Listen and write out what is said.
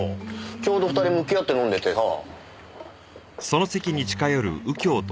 ちょうど２人向き合って飲んでてさ。